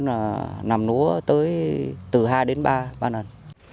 nó gấp hơn là nằm lúa từ hai đến ba ba lần